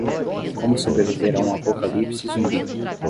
Como sobreviver a um apocalipse zumbi